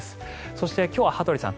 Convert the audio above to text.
そして、今日は羽鳥さん